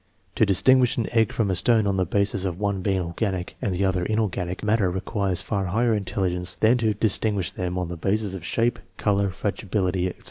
To distinguish an egg from a stone on the basis of one being organic, the other inorganic matter requires far higher intelligence than to distinguish them on the basis of shape, color, fragibility, etc.